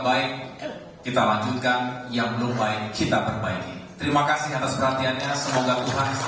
baik kita lanjutkan yang belum baik kita perbaiki terima kasih atas perhatiannya semoga tuhan bisa